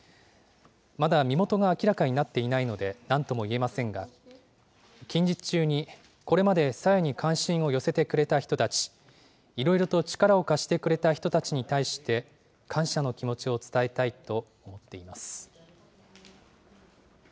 まだ身元が明らかになっていないので、なんとも言えませんが、近日中にこれまで朝芽に関心を寄せてくれた人たち、いろいろと力を貸してくれた人たちに対して、感謝の気持ちを伝えたいと思っています。